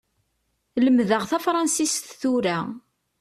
Lemmdeɣ tafransist tura.